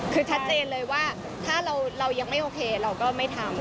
คือชัดเจนเลยว่าถ้าเรายังไม่โอเคเราก็ไม่ทำ